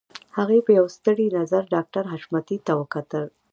هغې په يوه ستړي نظر ډاکټر حشمتي ته وکتل.